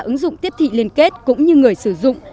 ứng dụng tiếp thị liên kết cũng như người sử dụng